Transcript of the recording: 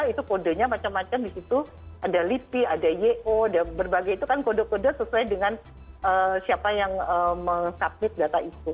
itu kodenya macam macam di situ ada lipi ada yeo dan berbagai itu kan kode kode sesuai dengan siapa yang meng submit data itu